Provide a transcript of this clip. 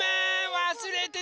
わすれてた。